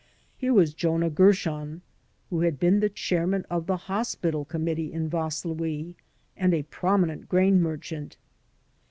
Here was Jonah Gershon, who had been the chairman of the hospital conunittee in Vaslui and a prominent grain merchant.